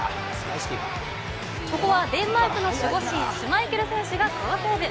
ここはデンマークの守護神シュマイケル選手が好セーブ。